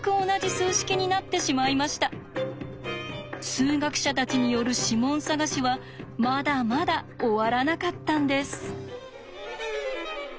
数学者たちによる指紋探しはまだまだ終わらなかったんです。